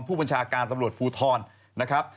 ผู้บัญชาการตำรวจภูทรนะครับ